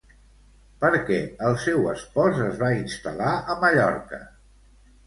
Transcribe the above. Per què el seu espòs es va instal·lar a Mallorca?